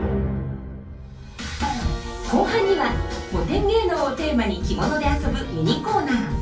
後半には古典芸能をテーマに着物で遊ぶミニコーナー